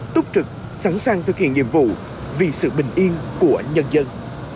túc trực sẵn sàng thực hiện nhiệm vụ vì sự bình yên của nhân dân